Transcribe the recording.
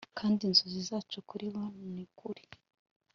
kandi inzozi zacu, kuri bo, ni nukuri